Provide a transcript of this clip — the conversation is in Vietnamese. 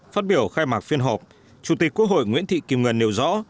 phát biểu khai mạc phiên họp chủ tịch quốc hội nguyễn thị kim ngân nêu rõ